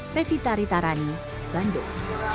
revita ritarani bandung